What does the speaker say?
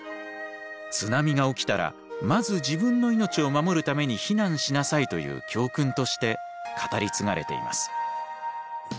津波が起きたらまず自分の命を守るために避難しなさいという教訓として語り継がれています。